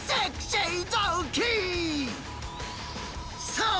そう！